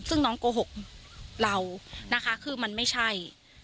ซึ่งน้องโกหกเรานะคะคือมันไม่ใช่